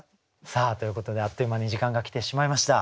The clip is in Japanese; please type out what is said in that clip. さあということであっという間に時間が来てしまいました。